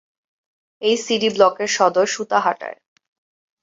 এই সিডি ব্লকের সদর সূতাহাটায়।